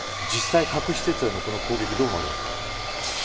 実際、核施設への攻撃はどう思われますか。